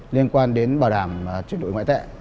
liên quan đến bảo đảm chuyên đội ngoại tệ